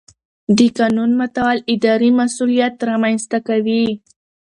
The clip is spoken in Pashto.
د قانون ماتول اداري مسؤلیت رامنځته کوي.